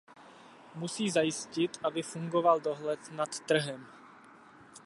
Musí zajistit, aby fungoval dohled nad trhem.